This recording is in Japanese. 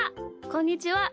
こんにちは。